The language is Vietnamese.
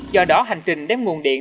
do đó hành trình đem nguồn điện